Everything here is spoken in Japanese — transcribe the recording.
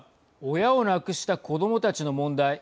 親を亡くした子どもたちの問題